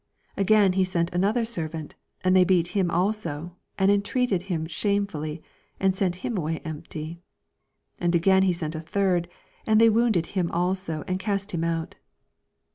11 And again he sent another ser vant: and they beat him also, and entreated him shamefully, and sent him away emi)ty. 12 And a^ain he sent a third : and t|iey wounded him also, and cast him out.